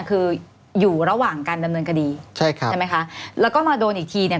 คืออยู่ระหว่างการดำเนินคดีใช่ครับใช่ไหมคะแล้วก็มาโดนอีกทีเนี่ย